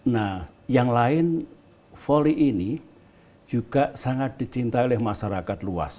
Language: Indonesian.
nah yang lain volley ini juga sangat dicintai oleh masyarakat luas